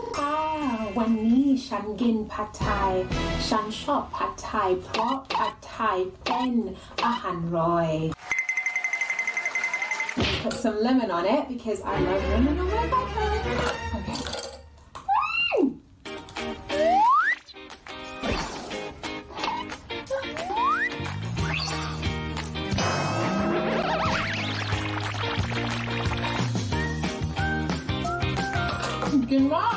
เอาไลมอนกดด้วยก่อนเพราะฉันรักกับมะม่วง